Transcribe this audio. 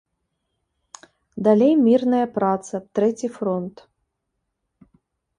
Далей мірная праца, трэці фронт.